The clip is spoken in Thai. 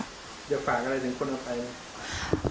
เดี๋ยวฝากอะไรถึงคนเอาไป